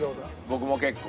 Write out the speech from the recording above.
僕も結構。